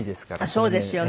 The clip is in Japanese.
そうですよね。